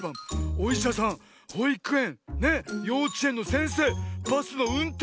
おいしゃさんほいくえんようちえんのせんせいバスのうんてん